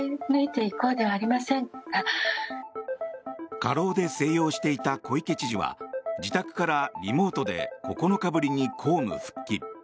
過労で静養していた小池知事は自宅からリモートで９日ぶりに公務復帰。